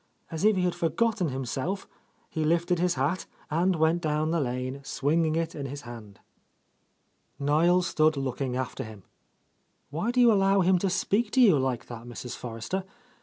As if he had forgotten himself, he lifted his hat, and went down the lane swinging it in his hand. Niel stood looking after him. "Why do you allow him to speak to you like that, Mrs. For rester?